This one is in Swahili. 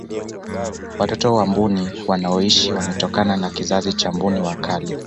watoto wa mbuni wanaoishi wametokana na kizazi cha mbuni wa kale